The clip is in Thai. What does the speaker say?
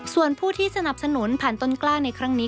ส่วนผู้ที่สนับสนุนผ่านต้นกล้าในครั้งนี้